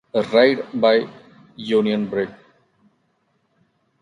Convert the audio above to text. A raid by Union Brig.